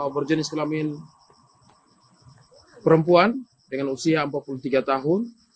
berjenis kelamin perempuan dengan usia empat puluh tiga tahun